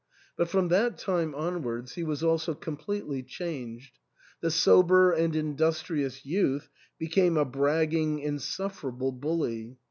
But from that time onwards he was also completely changed The sober and industrious youth became a bragging, insufferable bully.